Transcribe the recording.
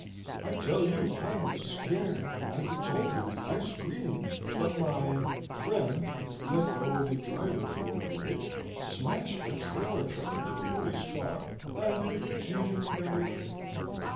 I tell you, I was scared! At the toll booth I screamed but my friend let go of the driver for a minute, smashed a trailer truck into a police car, and in the confusion we got away.